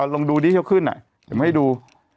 ลองดูที่เขาขึ้นเดี๋ยวมาให้ดู